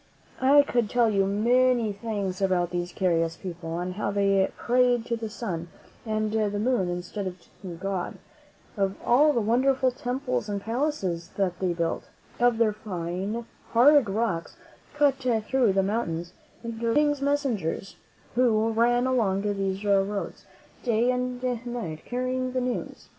I could tell you many things about these curious people— how they prayed to the sun and the moon instead of to God; of the wonderful temples and palaces that they built; of their fine, hard roads cut through the mountains, and of the King's messengers, who ran along these roads, day and night, carrying news.